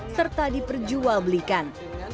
serta diperjual belikan